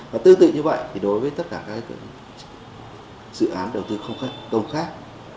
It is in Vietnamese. và tư tị như vậy thì đối với tất cả các dự án đầu tư công khác